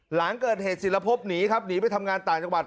หลังเกิดเหตุศิลภพหนีครับหนีไปทำงานต่างจังหวัด